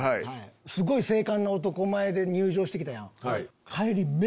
すごい精悍な男前で入場して来たやん。